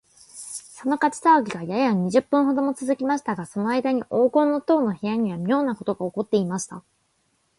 その火事さわぎが、やや二十分ほどもつづきましたが、そのあいだに黄金の塔の部屋には、みょうなことがおこっていました。